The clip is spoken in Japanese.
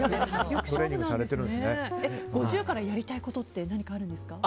５０からやりたいことって何かあるんですか？